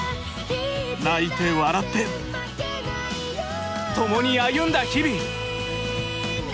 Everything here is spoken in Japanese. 泣いて笑って共に歩んだ日々！